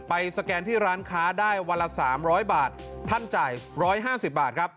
สแกนที่ร้านค้าได้วันละ๓๐๐บาทท่านจ่าย๑๕๐บาทครับ